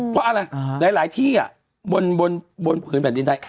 เพราะอะไรหลายที่บนผืนแผ่นดินไทย